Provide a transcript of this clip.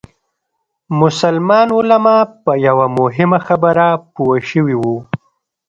مسلمان علما په یوه مهمه خبره پوه شوي وو.